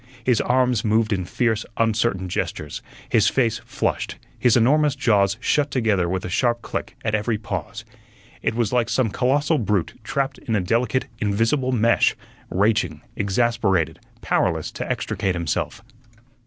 His arms moved in fierce, uncertain gestures, his face flushed, his enormous jaws shut together with a sharp click at every pause. It was like some colossal brute trapped in a delicate, invisible mesh, raging, exasperated, powerless to extricate himself.